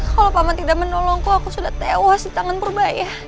kalau pak man tidak menolongku aku sudah tewas di tangan purbaia